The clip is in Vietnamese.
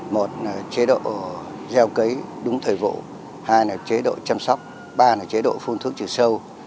một là chế độ gieo cấy đúng thời vụ hai là chế độ chăm sóc ba là chế độ phun thuốc trừ sâu